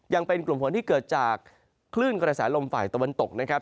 ยังเป็นกลุ่มฝนที่เกิดจากคลื่นกระแสลมฝ่ายตะวันตกนะครับ